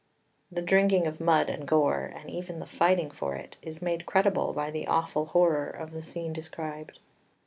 The drinking of mud and gore, and even the fighting for it, is made credible by the awful horror of the scene described.